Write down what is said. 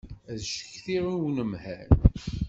Ad ccetkiɣ i unemhal.